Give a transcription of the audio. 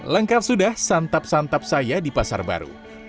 lengkap sudah santap santap saya di pasar baru